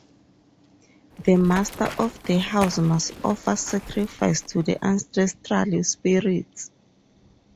The master of the house must offer sacrifice to the ancestral spirits.